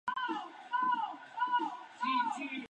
En el maquillaje prime el rojo y el negro.